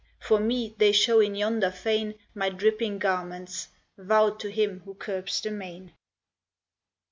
For me, they show in yonder fane My dripping garments, vow'd To Him who curbs the main.